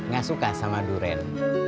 gak suka sama durian